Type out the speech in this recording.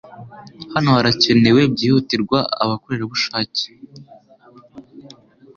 Hano harakenewe byihutirwa abakorerabushake.